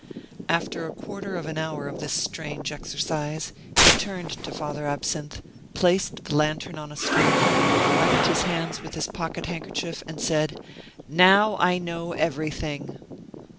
After a quarter of an hour of this strange exercise, he turned to Father Absinthe, placed the lantern on a stone, wiped his hands with his pocket handkerchief, and said: "Now I know everything!"